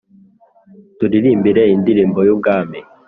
turirimbe indirimbo y ubwami